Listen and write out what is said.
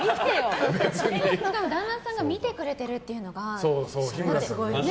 しかも旦那さんが見てくれてるっていうのがね。